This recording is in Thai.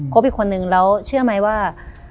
บอีกคนนึงแล้วเชื่อไหมว่า